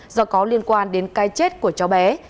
do có liên quan đến cái chết của cháu bé